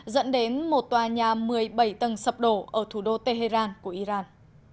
dẫn đến một tòa nhà một mươi bảy tầng sập đổ ở thủ đô tehran của iran